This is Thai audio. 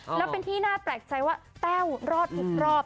แล้วเป็นที่น่าแปลกใจว่าแต้วรอดทุกรอบ